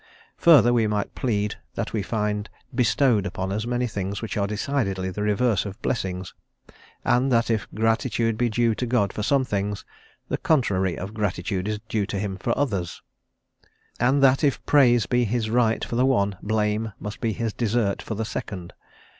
Further, we might plead that we find "bestowed" upon us many things which are decidedly the reverse of blessings, and that if gratitude be due to God for some things, the contrary of gratitude is due to him for others; and that if praise be his right for the one, blame must be his desert for the second.